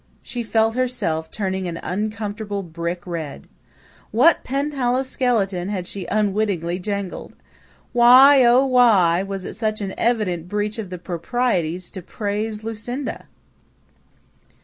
She felt herself turning an uncomfortable brick red. What Penhallow skeleton had she unwittingly jangled? Why, oh, why, was it such an evident breach of the proprieties to praise Lucinda?